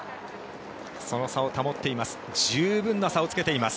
その差を保っています。